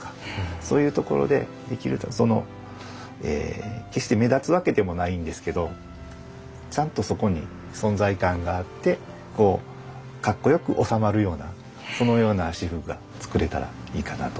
そういうところで決して目立つわけでもないんですけどちゃんとそこに存在感があって格好よく収まるようなそのような仕覆が作れたらいいかなと思っております。